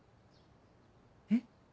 えっ？